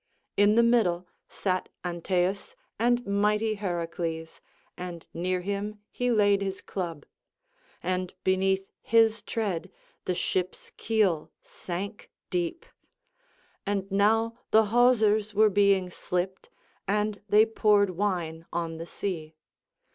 In the middle sat Antaeus and mighty Heracles, and near him he laid his club, and beneath his tread the ship's keel sank deep. And now the hawsers were being slipped and they poured wine on the sea.